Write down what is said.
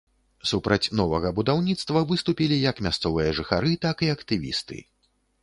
Супраць новага будаўніцтва выступілі як мясцовыя жыхары, так і актывісты.